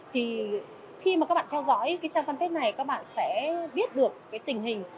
thì khi mà các bạn theo dõi cái trang fanpage này các bạn sẽ biết được cái tình hình